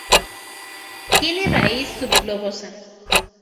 Tiene raíz subglobosa.